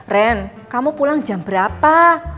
ren kamu pulang jam berapa